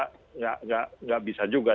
tidak bisa juga